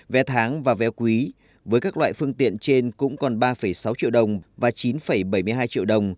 vé tháng và vé quý với các loại phương tiện trên cũng còn ba sáu triệu đồng và chín bảy mươi hai triệu đồng